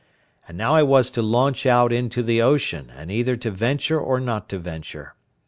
And now I was to launch out into the ocean, and either to venture or not to venture.